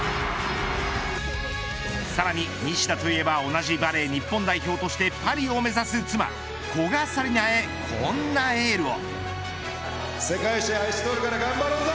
さらに西田といえば同じバレー日本代表としてパリを目指す妻、古賀紗理那へこんなエールを。